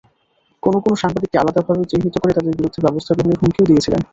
কোনো কোনো সাংবাদিককে আলাদাভাবে চিহ্নিত করে তাঁদের বিরুদ্ধে ব্যবস্থা গ্রহণের হুমকিও দিয়েছিলেন।